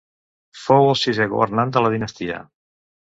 Fou el sisè governant de la dinastia.